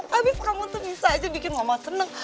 habis kamu tuh bisa aja bikin mama seneng